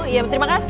ya terima kasih